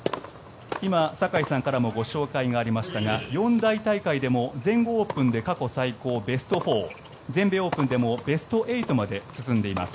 今、坂井さんからもご紹介がありましたが四大大会でも全豪オープンで過去最高ベスト４全米オープンでもベスト８まで進んでいます。